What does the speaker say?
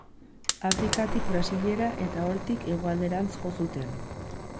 Afrikatik Brasilera eta hortik hegoalderantz jo zuten.